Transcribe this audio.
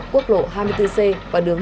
quốc lộ hai mươi bốn c và đường